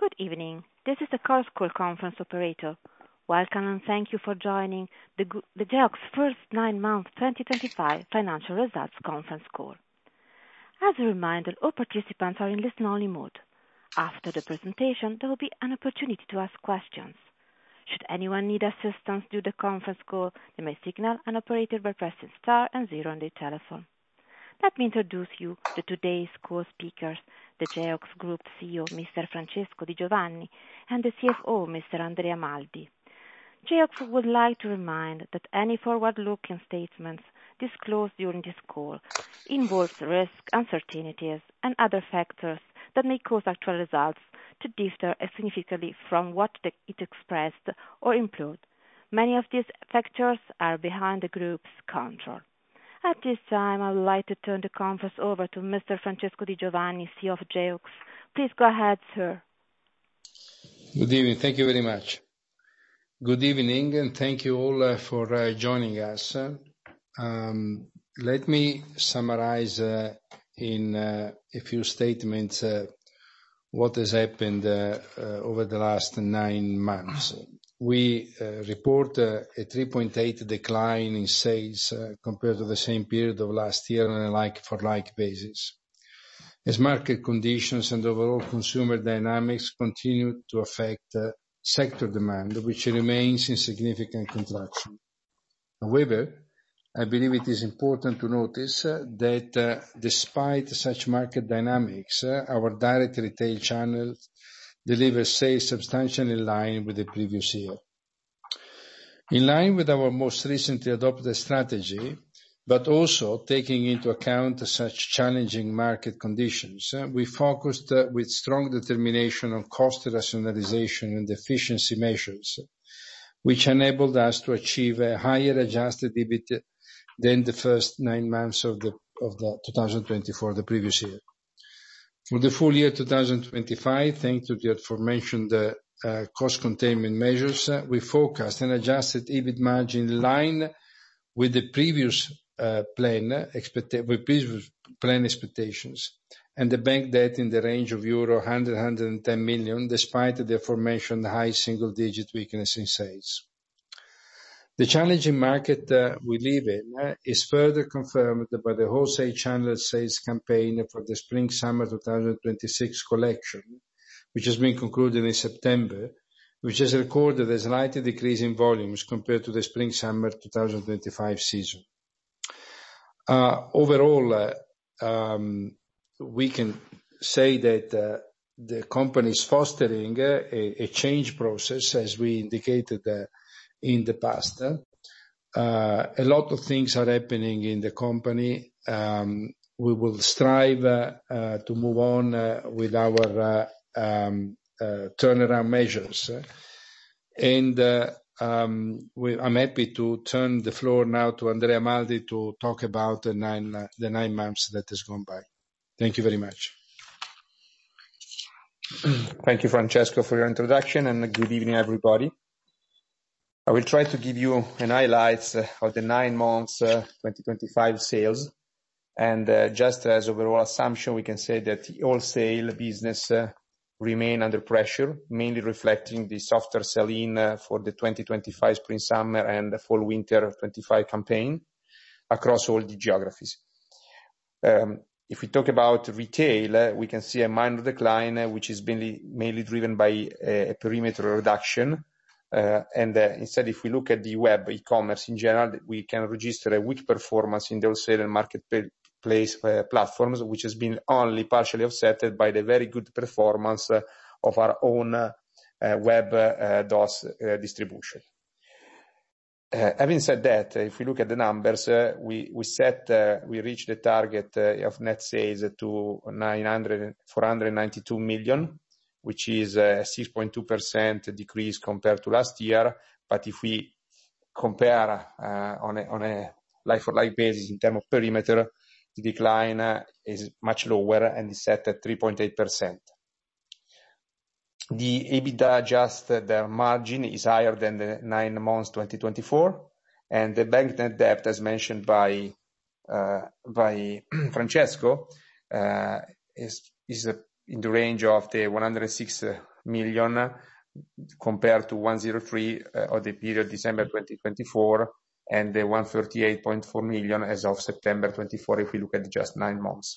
Good evening. This is the Chorus Call conference operator. Welcome and thank you for joining the Geox first nine-month 2025 financial results conference call. As a reminder, all participants are in listen-only mode. After the presentation, there will be an opportunity to ask questions. Should anyone need assistance during the conference call, they may signal an operator by pressing star and zero on their telephone. Let me introduce you to today's call speakers: the Geox Group CEO, Mr. Francesco Di Giovanni, and the CFO, Mr. Andrea Maldi. Geox would like to remind that any forward-looking statements disclosed during this call involve risk, uncertainties, and other factors that may cause actual results to differ significantly from what it expressed or implied. Many of these factors are beyond the Group's control. At this time, I would like to turn the conference over to Mr. Francesco Di Giovanni, CEO of Geox. Please go ahead, sir. Good evening. Thank you very much. Good evening, and thank you all for joining us. Let me summarize in a few statements what has happened over the last nine months. We report a 3.8% decline in sales compared to the same period of last year on a like-for-like basis. As market conditions and overall consumer dynamics continue to affect sector demand, which remains in significant contraction. However, I believe it is important to notice that despite such market dynamics, our direct retail channel delivers sales substantially in line with the previous year. In line with our most recently adopted strategy, but also taking into account such challenging market conditions, we focused with strong determination on cost rationalization and efficiency measures, which enabled us to achieve a higher adjusted EBIT than the first nine months of 2024, the previous year. For the full year 2025, thanks to the aforementioned cost containment measures, we forecast an adjusted EBIT margin in line with the previous plan expectations and the bank debt in the range of 100 million-110 million euro, despite the aforementioned high single-digit weakness in sales. The challenging market we live in is further confirmed by the wholesale channel sales campaign for the Spring/Summer 2026 collection, which has been concluded in September, which has recorded a slight decrease in volumes compared to the Spring/Summer 2025 season. Overall, we can say that the company is fostering a change process, as we indicated in the past. A lot of things are happening in the company. We will strive to move on with our turnaround measures, and I'm happy to turn the floor now to Andrea Maldi to talk about the nine months that have gone by. Thank you very much. Thank you, Francesco, for your introduction, and good evening, everybody. I will try to give you highlights of the nine months' 2025 sales. Just as overall assumption, we can say that the wholesale business remains under pressure, mainly reflecting the softer selling for the 2025 Spring/Summer and Fall/Winter 2025 campaign across all the geographies. If we talk about retail, we can see a minor decline, which is mainly driven by a perimeter reduction. Instead, if we look at the web e-commerce in general, we can register a weak performance in the wholesale and marketplace platforms, which has been only partially offset by the very good performance of our own web DOS distribution. Having said that, if we look at the numbers, we reached the target of net sales to 492 million, which is a 6.2% decrease compared to last year. But if we compare on a like-for-like basis in terms of perimeter, the decline is much lower and is set at 3.8%. The EBITDA adjusted margin is higher than the nine months 2024, and the bank net debt, as mentioned by Francesco, is in the range of 106 million compared to 103 million of the period December 2024 and 138.4 million as of September 2024, if we look at just nine months.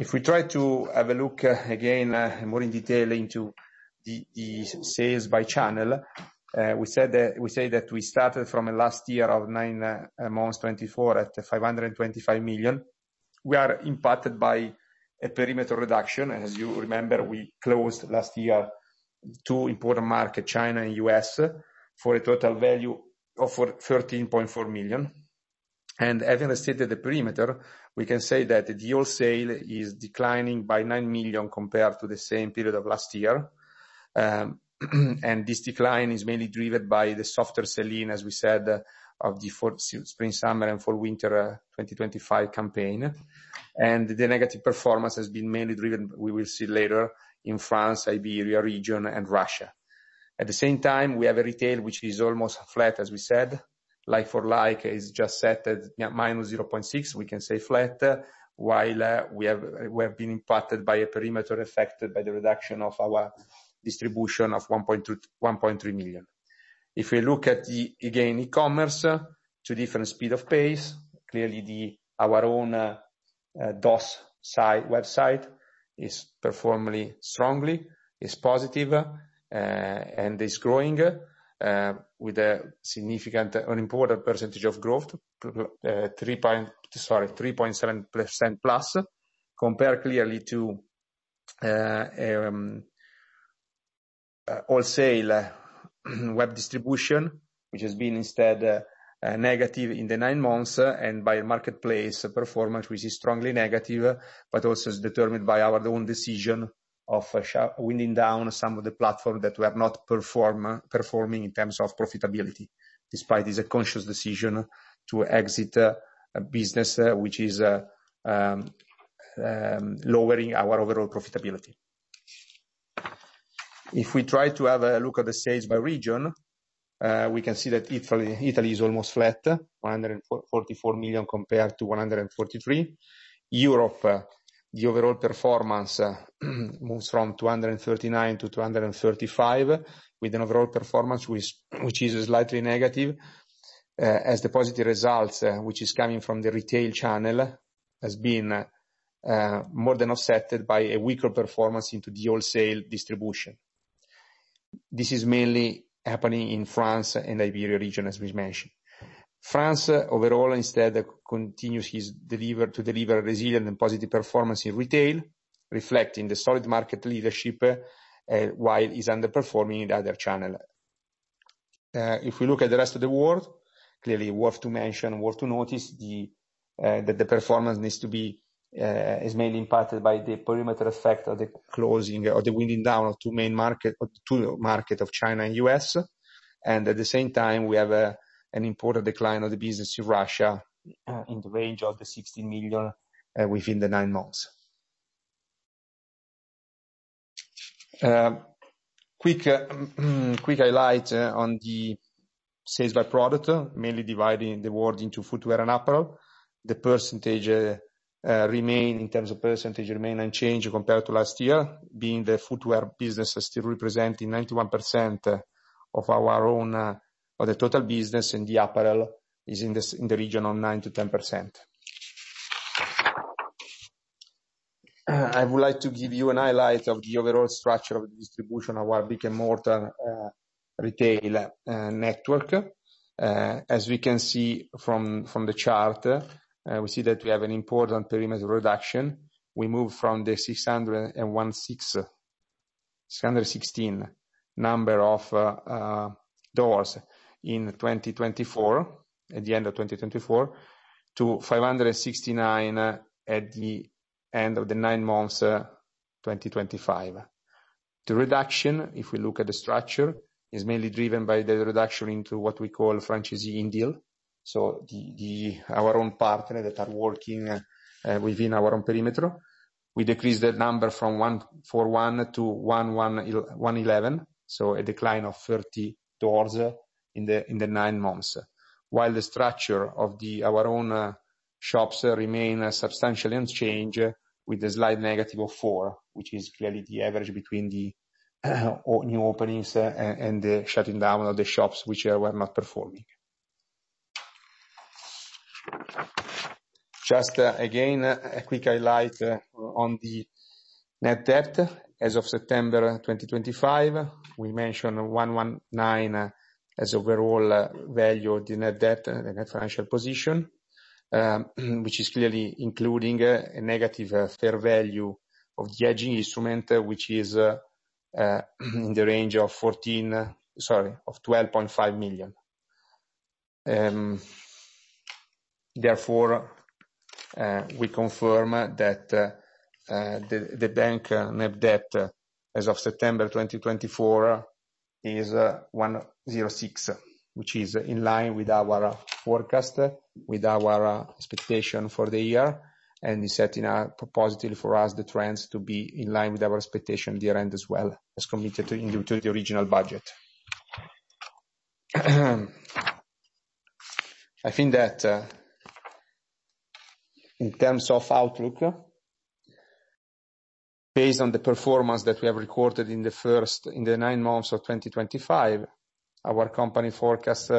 If we try to have a look again more in detail into the sales by channel, we say that we started from last year of nine months 2024 at 525 million. We are impacted by a perimeter reduction. As you remember, we closed last year two important markets, China and the U.S., for a total value of 13.4 million. Having restricted the perimeter, we can say that the wholesale is declining by 9 million compared to the same period of last year. This decline is mainly driven by the softer selling, as we said, of the Spring/Summer and Fall/Winter 2025 campaign. The negative performance has been mainly driven, we will see later, in France, Iberia region, and Russia. At the same time, we have a retail which is almost flat, as we said. Like-for-Like is just set at -0.6%. We can say flat, while we have been impacted by a perimeter affected by the reduction of our distribution of 1.3 million. If we look at the, again, e-commerce, to a different speed of pace, clearly our own DOS website is performing strongly, is positive, and is growing with a significant and important percentage of growth, sorry, 3.7%+, compared clearly to wholesale web distribution, which has been instead negative in the nine months, and by marketplace performance, which is strongly negative, but also is determined by our own decision of winding down some of the platforms that were not performing in terms of profitability, despite this conscious decision to exit a business which is lowering our overall profitability. If we try to have a look at the sales by region, we can see that Italy is almost flat, 144 million compared to 143 million. Europe, the overall performance moves from 239 million toEUR 235 million, with an overall performance which is slightly negative, as the positive results, which is coming from the retail channel, have been more than offset by a weaker performance into the wholesale distribution. This is mainly happening in France and the Iberia region, as we mentioned. France, overall, instead, continues to deliver resilient and positive performance in retail, reflecting the solid market leadership, while it is underperforming in other channels. If we look at the rest of the world, clearly worth to mention, worth to notice, that the performance needs to be mainly impacted by the perimeter effect of the closing or the winding down of two markets of China and the U.S., and at the same time, we have an important decline of the business to Russia in the range of the 16 million within the nine months. Quick highlight on the sales by product, mainly dividing the world into Footwear and Apparel. The percentage remains in terms of percentage unchanged compared to last year, being the Footwear business still representing 91% of our own total business, and the Apparel is in the region of 9%-10%. I would like to give you a highlight of the overall structure of the distribution of our brick-and-mortar retail network. As we can see from the chart, we have an important perimeter reduction. We moved from the 616 number of doors in 2024, at the end of 2024, to 569 at the end of the nine months 2025. The reduction, if we look at the structure, is mainly driven by the reduction into what we call franchisee indirect, so our own partners that are working within our own perimeter. We decreased that number from 141 to 111, so a decline of 30 doors in the nine months, while the structure of our own shops remains substantially unchanged, with a slight -4%, which is clearly the average between the new openings and the shutting down of the shops which were not performing. Just again, a quick highlight on the net debt. As of September 2025, we mentioned 119 million as overall value of the net debt, the net financial position, which is clearly including a negative fair value of the hedging instrument, which is in the range of 14 million, sorry, of 12.5 million. Therefore, we confirm that the bank net debt as of September 2024 is 106 million, which is in line with our forecast, with our expectation for the year, and is setting up positively for us the trends to be in line with our expectation year-end as well, as committed to the original budget. I think that in terms of outlook, based on the performance that we have recorded in the nine months of 2025, our company forecast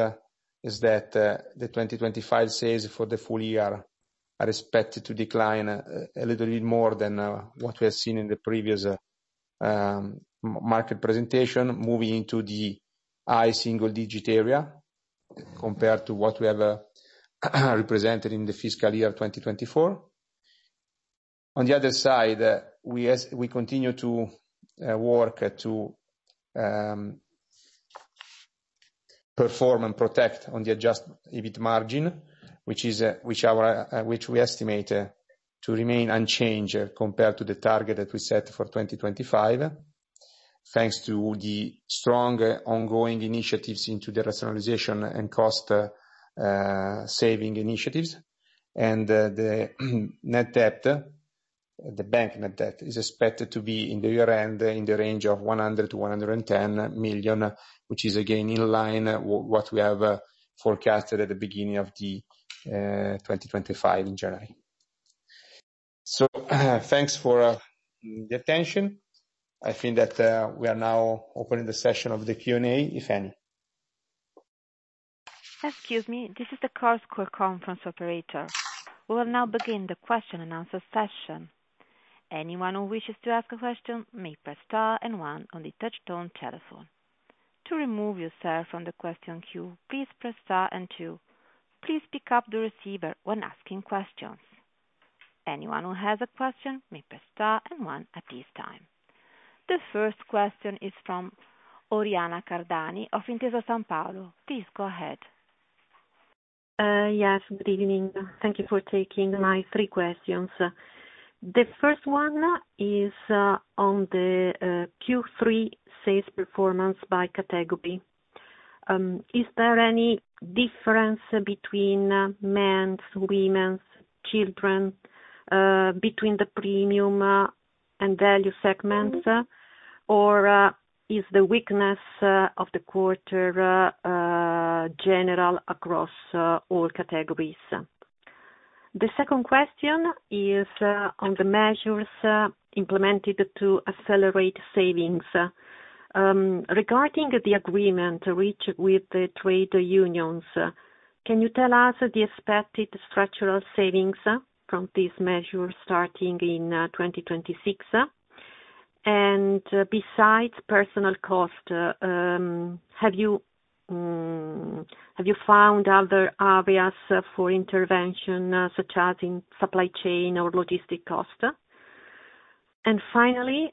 is that the 2025 sales for the full year are expected to decline a little bit more than what we have seen in the previous market presentation, moving into the high single-digit area compared to what we have represented in the fiscal year 2024. On the other side, we continue to work to perform and protect on the adjusted EBIT margin, which we estimate to remain unchanged compared to the target that we set for 2025, thanks to the strong ongoing initiatives into the rationalization and cost-saving initiatives. And the net debt, the bank net debt, is expected to be in the year-end in the range of 100 million-110 million, which is again in line with what we have forecasted at the beginning of 2025 in January. So thanks for the attention. I think that we are now opening the session of the Q&A, if any. Excuse me. This is the Chorus Call Conference Operator. We will now begin the question and answer session. Anyone who wishes to ask a question may press star and one on the touch-tone telephone. To remove yourself from the question queue, please press star and two. Please pick up the receiver when asking questions. Anyone who has a question may press star and one at this time. The first question is from Oriana Cardani of Intesa Sanpaolo. Please go ahead. Yes, good evening. Thank you for taking my three questions. The first one is on the Q3 sales performance by category. Is there any difference between men's, women's, children's, between the premium and value segments, or is the weakness of the quarter general across all categories? The second question is on the measures implemented to accelerate savings. Regarding the agreement reached with the trade unions, can you tell us the expected structural savings from these measures starting in 2026? And besides personnel cost, have you found other areas for intervention, such as in supply chain or logistics cost? And finally,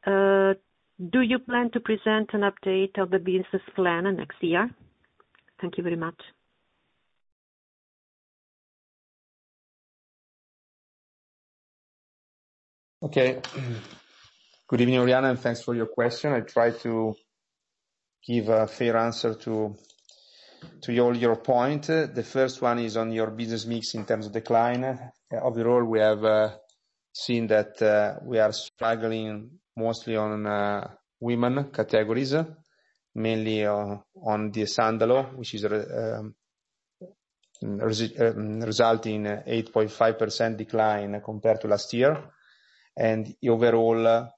do you plan to present an update of the business plan next year? Thank you very much. Okay. Good evening, Oriana, and thanks for your question. I tried to give a fair answer to all your points. The first one is on your business mix in terms of decline. Overall, we have seen that we are struggling mostly on women categories, mainly on the [sandals], which is resulting in an 8.5% decline compared to last year. Overall,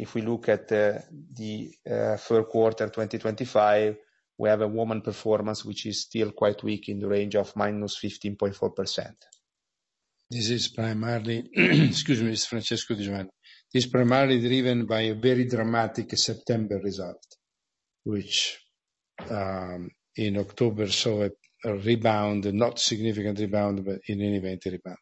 if we look at the third quarter 2025, we have a woman performance which is still quite weak in the range of -15.4%. This is primarily, excuse me, it's Francesco Di Giovanni. This is primarily driven by a very dramatic September result, which in October saw a rebound, not significant rebound, but in inventory part.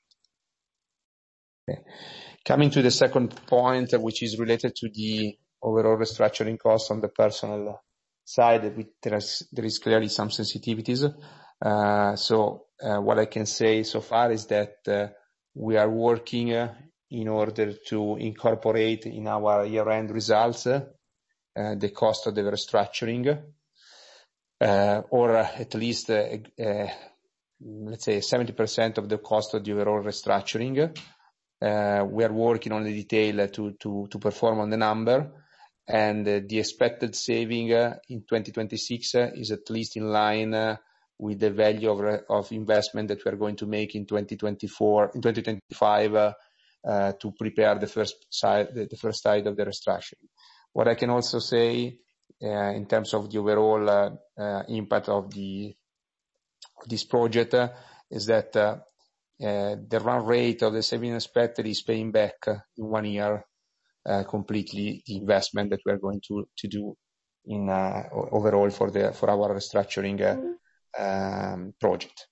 Coming to the second point, which is related to the overall restructuring cost on the personnel side, there is clearly some sensitivities. So what I can say so far is that we are working in order to incorporate in our year-end results the cost of the restructuring, or at least, let's say, 70% of the cost of the overall restructuring. We are working on the detail to perform on the number, and the expected saving in 2026 is at least in line with the value of investment that we are going to make in 2025 to prepare the first side of the restructuring. What I can also say in terms of the overall impact of this project is that the run rate of the savings expected is paying back in one year completely the investment that we are going to do overall for our restructuring project.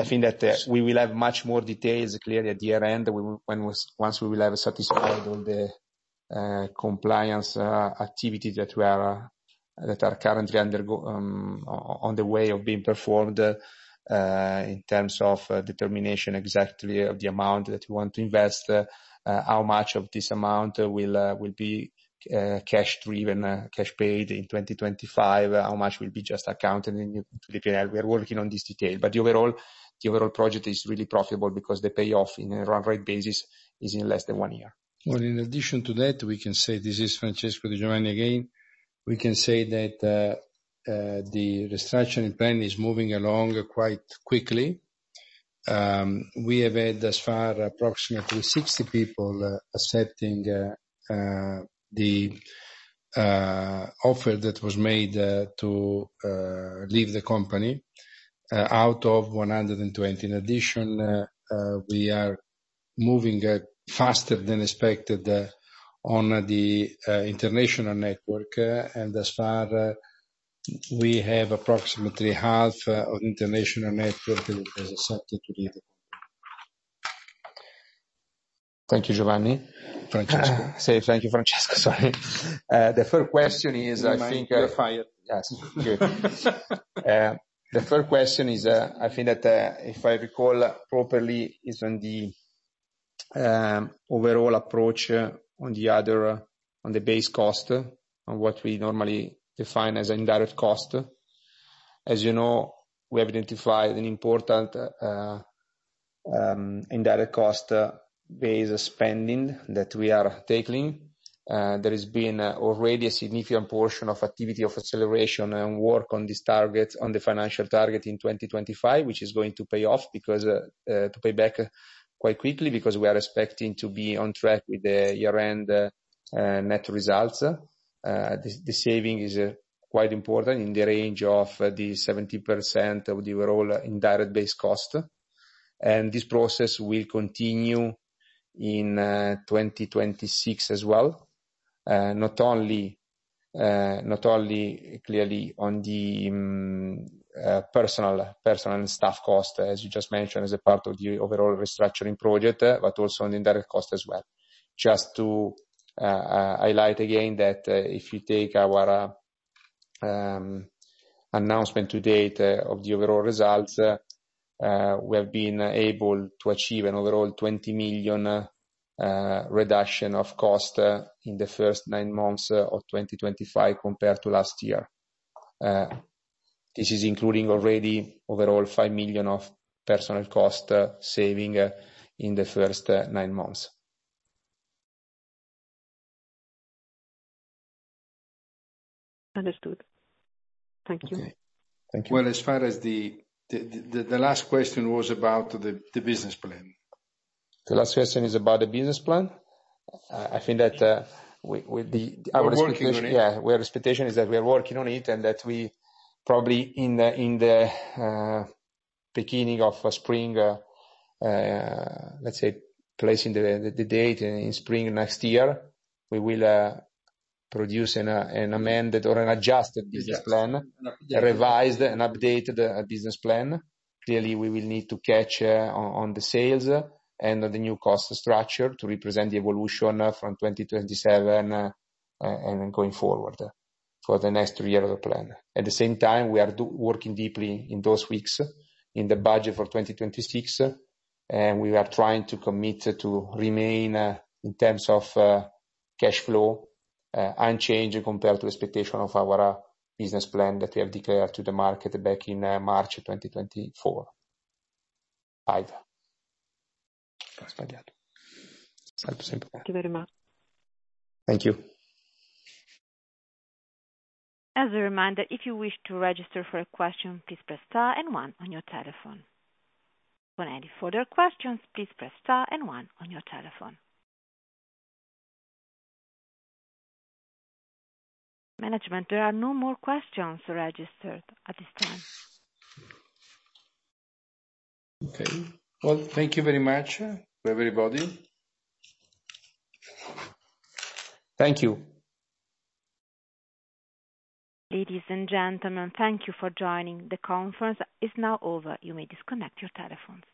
I think that we will have much more details clearly at year-end once we will have satisfied all the compliance activities that are currently on the way of being performed in terms of determination exactly of the amount that we want to invest, how much of this amount will be cash-driven, cash-paid in 2025, how much will be just accounted into the P&L. We are working on this detail. But overall, the overall project is really profitable because the payoff in a run rate basis is in less than one year. In addition to that, we can say, this is Francesco Di Giovanni again, we can say that the restructuring plan is moving along quite quickly. We have had thus far approximately 60 people accepting the offer that was made to leave the company out of 120. In addition, we are moving faster than expected on the international network, and thus far we have approximately half of the international network that is accepted to leave the company. Thank you, Giovanni. Francesco. Say thank you, Francesco. Sorry. The first question is, I think. I'm very fired. Yes. Good. The first question is, I think that if I recall properly, is on the overall approach on the base cost, on what we normally define as indirect cost. As you know, we have identified an important indirect cost-based spending that we are tackling. There has been already a significant portion of activity of acceleration and work on this target, on the financial target in 2025, which is going to pay off quite quickly because we are expecting to be on track with the year-end net results. The saving is quite important in the range of the 70% of the overall indirect base cost. This process will continue in 2026 as well, not only clearly on the personnel and staff cost, as you just mentioned, as a part of the overall restructuring project, but also on the indirect cost as well. Just to highlight again that if you take our announcement to date of the overall results, we have been able to achieve an overall 20 million reduction of cost in the first nine months of 2025 compared to last year. This is including already overall 5 million of personnel cost saving in the first nine months. Understood. Thank you. Okay. Thank you. As far as the last question was about the business plan. The last question is about the business plan. I think that our expectation is that we are working on it and that we probably in the beginning of spring, let's say, placing the date in spring next year, we will produce an amended or an adjusted business plan, revised and updated business plan. Clearly, we will need to catch on the sales and the new cost structure to represent the evolution from 2027 and going forward for the next three years of the plan. At the same time, we are working deeply in those weeks in the budget for 2026, and we are trying to commit to remain in terms of cash flow unchanged compared to expectation of our business plan that we have declared to the market back in March 2024. Thank you very much. Thank you. As a reminder, if you wish to register for a question, please press star and one on your telephone. For any further questions, please press star and one on your telephone. Management, there are no more questions registered at this time. Okay. Well, thank you very much to everybody. Thank you. Ladies and gentlemen, thank you for joining. The conference is now over. You may disconnect your telephones.